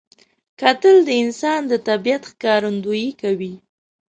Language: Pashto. کتل د انسان د طبیعت ښکارندویي کوي